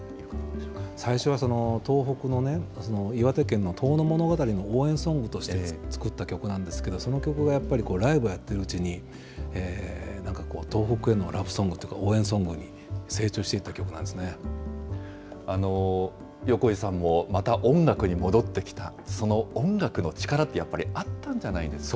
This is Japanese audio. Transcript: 最初は東北のね、岩手県の遠野物語の応援ソングとして作った曲なんですけれども、その曲がやっぱりライブをやってるうちに、なんかこう、東北へのラブソングというか、応援ソングに成長していった曲なん横井さんもまた音楽に戻ってきた、その音楽の力ってやっぱりあったんじゃないですか。